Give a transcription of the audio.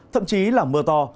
thậm chí là mưa to